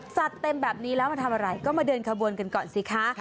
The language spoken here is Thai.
เต็มแบบนี้แล้วมาทำอะไรก็มาเดินขบวนกันก่อนสิคะ